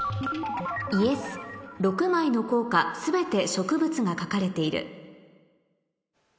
「Ｙｅｓ６枚の硬貨全て植物が描かれている」